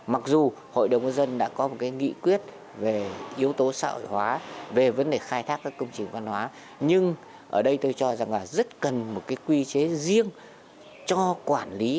mặc dù hội đồng dân đã có một nghị quyết về yếu tố sợi hóa về vấn đề khai thác các công trình văn hóa nhưng ở đây tôi cho rằng là rất cần một quy chế riêng cho quản lý khai thác các mặt nước